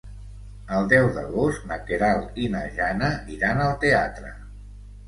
El deu d'agost na Queralt i na Jana iran al teatre.